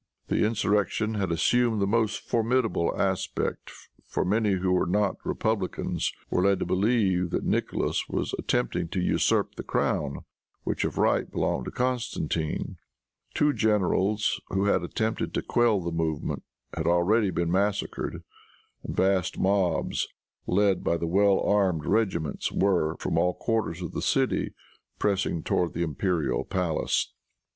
The insurrection had assumed the most formidable aspect, for many who were not republicans, were led to believe that Nicholas was attempting to usurp the crown which, of right, belonged to Constantine. Two generals, who had attempted to quell the movement, had already been massacred, and vast mobs, led by the well armed regiments, were, from all quarters of the city, pressing toward the imperial palace.